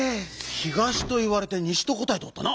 「東」といわれて「西」とこたえておったな！